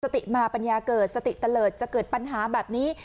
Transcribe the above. สติมาปัญญาเกิดสติเตลิศจะเกิดปัญหาแบบนี้